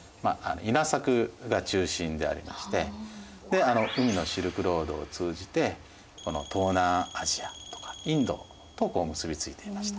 稲作が中心でありまして海のシルクロードを通じて東南アジアとかインドとこう結び付いていました。